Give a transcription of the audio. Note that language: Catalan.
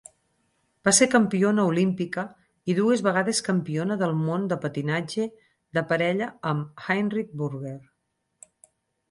Va ser campiona olímpica i dues vegades campiona del món de patinatge de parella amb Heinrich Burger.